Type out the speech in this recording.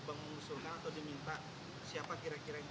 abang mengusulkan atau diminta siapa kira kira ini